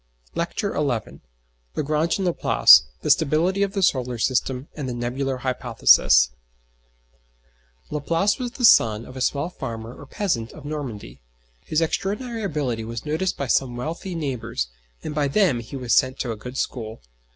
LECTURE XI LAGRANGE AND LAPLACE THE STABILITY OF THE SOLAR SYSTEM, AND THE NEBULAR HYPOTHESIS Laplace was the son of a small farmer or peasant of Normandy. His extraordinary ability was noticed by some wealthy neighbours, and by them he was sent to a good school.